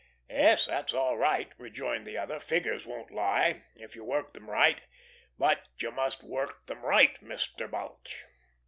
"Yes, that's all right," rejoined the other, "figures won't lie, if you work them right; but you must work them right, Mr. Balch."